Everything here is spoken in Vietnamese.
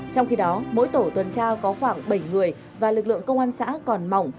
trong khi đó mỗi tổ tuần tra có khoảng bảy người và lực lượng công an xã còn mỏng